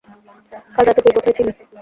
কাল রাত্রে তুই কোথায় ছিলি?